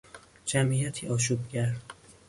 جمعیتی آشوبگر